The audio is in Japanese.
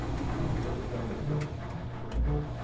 ちょっとつらいですけど下ハネくらいですか。